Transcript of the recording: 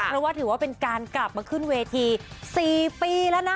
เพราะว่าถือว่าเป็นการกลับมาขึ้นเวที๔ปีแล้วนะ